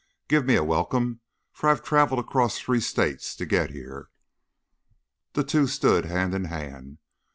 Give me a welcome, for I've traveled across three states to get here." The two stood hand in hand.